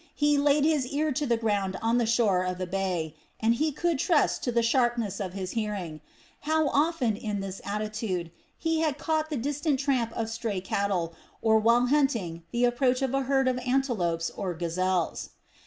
He laid his ear to the ground on the shore of the bay, and he could trust to the sharpness of his hearing; how often, in this attitude, he had caught the distant tramp of stray cattle or, while hunting, the approach of a herd of antelopes or gazelles.